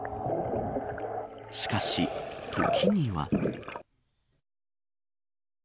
しかし時には。